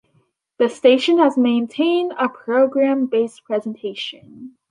The station has maintained a "programme based" presentation.